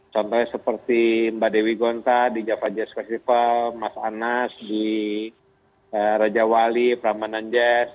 contohnya seperti mbak dewi gonta di java jazz festival mas anas di raja wali prambanan jazz